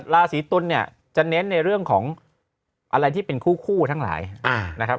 ราศีตุลเนี่ยจะเน้นในเรื่องของอะไรที่เป็นคู่ทั้งหลายนะครับ